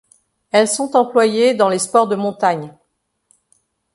Elles sont employées dans les sports de montagne.